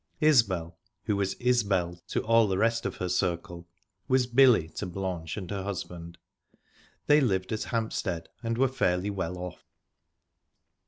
Isbel, who was "Isbel" to all the rest of her circle, was "Billy" to Blanche and her husband. They lived at Hampstead, and were fairly well off.